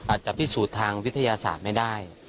อาจจะพิสูจน์ทางวิทยาศาสตร์ไม่ได้